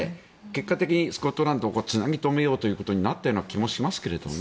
結果的にスコットランドをつなぎ留めようということになったのかもしれませんが。